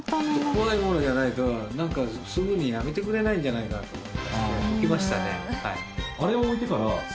怖いものじゃないとすぐにやめてくれないんじゃないかなと思いまして置きましたね。